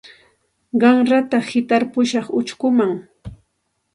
Qanrata hitarpushaq uchkuman.